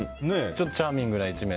ちょっとチャーミングな一面。